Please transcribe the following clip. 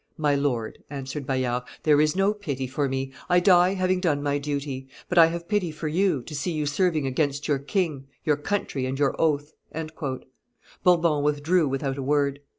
"My lord," answered Bayard, "there is no pity for me; I die having done my duty; but I have pity for you, to see you serving against your king, your country, and your oath." Bourbon withdrew without a word.